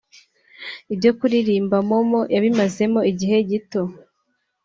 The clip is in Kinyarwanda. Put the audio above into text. Ibyo kuririmba Momo yabimazemo igihe gito